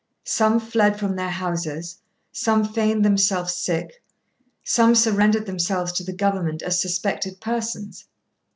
Some fled from their houses, some feigned themselves sick, some surrendered themselves to the government as suspected persons.